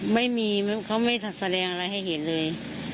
ไม่มีเขาไม่แสดงอะไรให้เห็นเลย